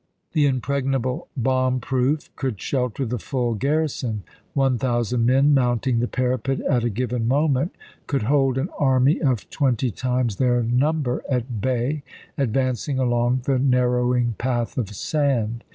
The impregnable bomb proof could shelter the full gar rison ; one thousand men mounting the parapet at a given moment could hold an army of twenty times their number at bay, advancing along the narrowing path of sand.